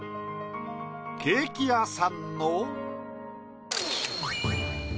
ケーキ屋さんの。